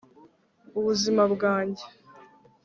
ubuzima bwanjye,